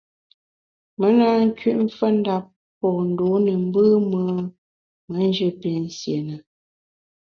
Me na nküt mfendap po ndû ne mbùm-ùe me njù pinsié na.